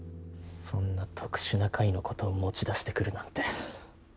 そんな特殊な回のことを持ち出してくるなんて。